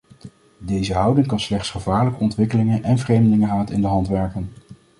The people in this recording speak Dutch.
Deze houding kan slechts gevaarlijke ontwikkelingen en vreemdelingenhaat in de hand werken.